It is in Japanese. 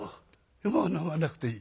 「もう飲まなくていい。